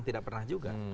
tidak pernah juga